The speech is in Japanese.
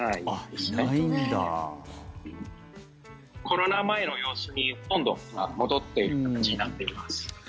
コロナ前の様子にほとんど戻っている感じになっています。